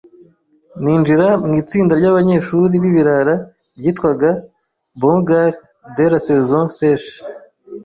ninjira mu itsinda ry’abanyeshuri b’ibirara ryitwaga Bon Gard de la season seche,